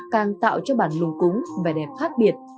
càng tạo cho bản lùng cúng vẻ đẹp khác biệt